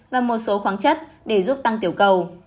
và một số khoáng chất để giúp tăng tiểu cầu